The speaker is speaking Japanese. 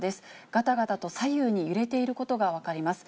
がたがたと左右に揺れていることが分かります。